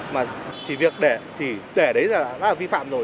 mà chỉ việc để chỉ để đấy là đã vi phạm rồi